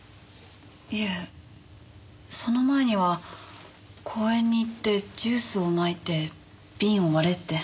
いえその前には公園に行ってジュースをまいて瓶を割れって。